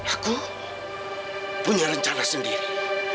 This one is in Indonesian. aku punya rencana sendiri